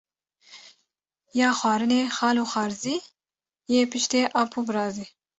Ya xwarinê xal û xwarzî, yê piştê ap û birazî